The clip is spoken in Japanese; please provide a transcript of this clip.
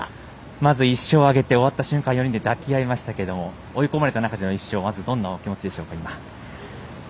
まず１勝挙げて終わった瞬間４人で抱き合いましたが追い込まれた中での１勝どんなお気持ちでしょうか？